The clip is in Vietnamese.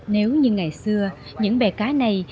nếu như ngày xưa những bè cá này